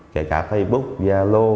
kể cả facebook yalo